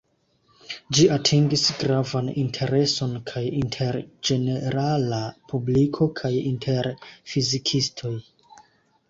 Ĝi atingis gravan intereson kaj inter ĝenerala publiko, kaj inter fizikistoj.